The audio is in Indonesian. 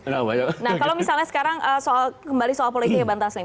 nah kalau misalnya sekarang kembali soal politik ya bang taslim